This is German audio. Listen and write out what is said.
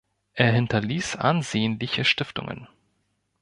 Er hinterließ ansehnliche Stiftungen.